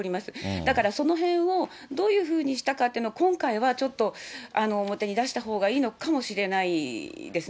だから、そのへんをどういうふうにしたかっていうのを今回はちょっと表に出したほうがいいのかもしれないですね。